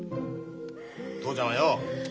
父ちゃんはよ